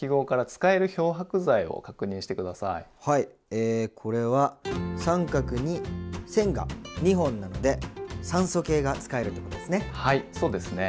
えっこれは△に線が２本なので酸素系が使えるということですね。